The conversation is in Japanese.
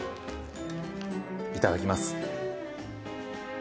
いただきます。